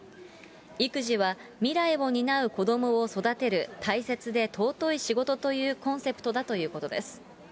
育児は未来を担う子どもを育てる大切で尊い仕事というコンセプトだということです。